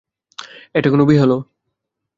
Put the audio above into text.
এটা কোনো বিয়ে হলো।